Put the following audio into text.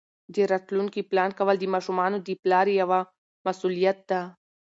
د راتلونکي پلان کول د ماشومانو د پلار یوه مسؤلیت ده.